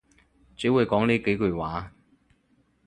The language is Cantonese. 只會講呢幾句話